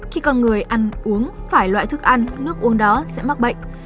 khi con người ăn uống phải loại thức ăn nước uống đó sẽ mắc bệnh